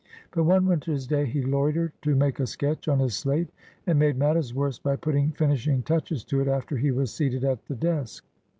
But one winter's day he loitered to make a sketch on his slate, and made matters worse by putting finishing touches to it after he was seated at the desk.